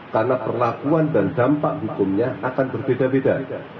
karena perlakuan dan dampak hukumnya akan berbeda beda